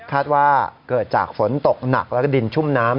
คาดว่าเกิดจากฝนตกหนักแล้วก็ดินชุ่มน้ำ